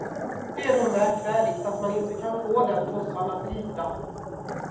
Det är då märkvärdigt att man inte kan få den tossan att lyda.